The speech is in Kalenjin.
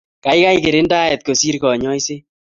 Keikei kirindaet kosir kanyaiset